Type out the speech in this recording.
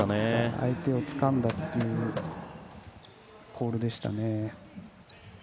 相手をつかんだというコールでしたね。